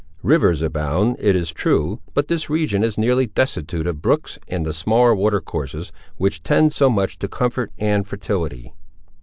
Rivers abound, it is true; but this region is nearly destitute of brooks and the smaller water courses, which tend so much to comfort and fertility.